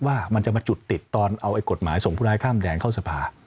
ว่ามันจะมาจุดติดตอนเอากฎหมายส่งผู้ร้ายข้ามแดนเข้าสภา